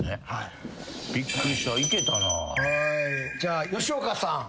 じゃあ吉岡さん。